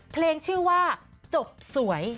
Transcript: ชื่อว่าจบสวย